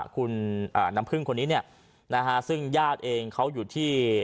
คุณน้ำพึ่งคนนี้เนี่ยนะฮะซึ่งญาติเองเขาอยู่ที่